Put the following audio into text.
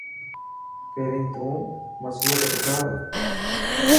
پهرين تو مصلو ته ٻڌا.